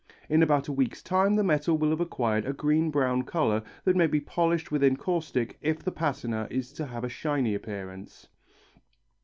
In about a week's time the metal will have acquired a green brown colour that may be polished with encaustic if the patina is to have a shiny appearance.